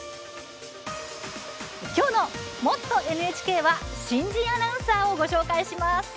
きょうの「もっとＮＨＫ」は新人アナウンサーをご紹介します。